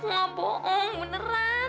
aku tidak bohong benar